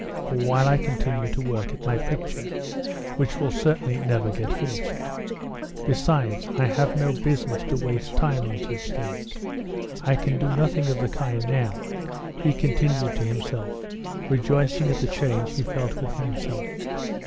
or while I continue to work at my picture, which will certainly never get finished? Besides, I have no business to waste time on such things. I can do nothing of the kind now," he continued to himself, rejoicing at the change he felt within himself.